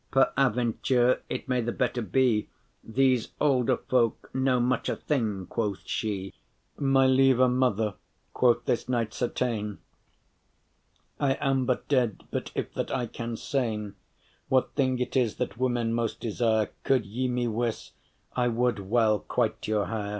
Paraventure it may the better be: These olde folk know muche thing.” quoth she. My leve* mother,” quoth this knight, “certain, *dear I am but dead, but if* that I can sayn *unless What thing it is that women most desire: Could ye me wiss,* I would well *quite your hire.